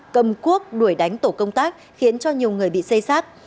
cầm cuốc đuổi đánh tổ công tác khiến cho nhiều người bị xây sát